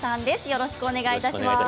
よろしくお願いします。